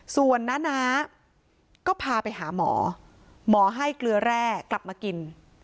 ส่วนน้าน้าก็พาไปหาหมอหมอให้เกลือแร่กลับมากิน